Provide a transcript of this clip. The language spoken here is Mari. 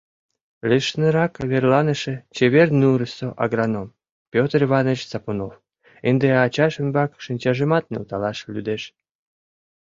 Лишнырак верланыше «Чевер нурысо» агроном — Петр Иванович Сапунов, ынде ачаж ӱмбак шинчажымат нӧлталаш лӱдеш.